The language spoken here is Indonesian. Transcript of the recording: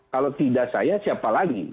kalau tidak saya siapa lagi